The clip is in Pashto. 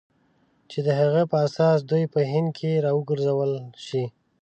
چې د هغه په اساس دوی په هند کې را وګرځول شي.